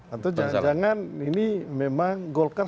atau jangan jangan ini memang golkar